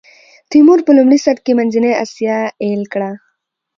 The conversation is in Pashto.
تیمور په لومړي سر کې منځنۍ اسیا ایل کړه.